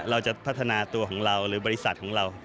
เราจะพัฒนาตัวของเราหรือบริษัทของเรา